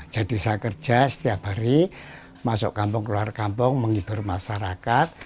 jadi saya kerja setiap hari masuk kampung keluar kampung menghibur masyarakat